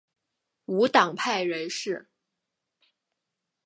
无党派人士。